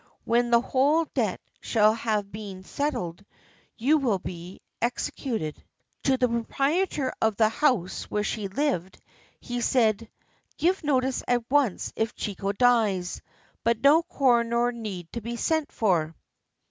When the whole debt shall have been settled, you will be executed." 376 J TADASUKE, THE JAPANESE SOLOMON To the proprietor of the house where she lived he said, " Give notice at once if Chiko dies, but no coroner need be sent for."